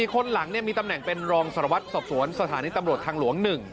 ๔คนหลังมีตำแหน่งเป็นรองศรวรรศสอบสวนสพทหลวง๗